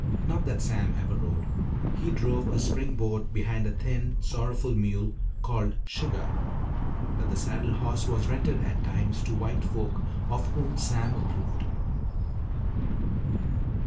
Not that Sam ever rode. He drove a spring board behind a thin, sorrowful mule called "Suggah." But the saddle horse was rented at times to white folk of whom Sam approved.